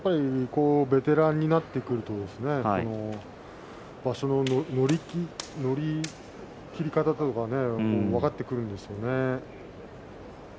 ベテランになってくると場所の乗り切り方が分かってくるんですよね。